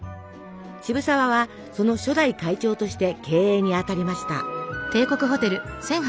渋沢はその初代会長として経営にあたりました。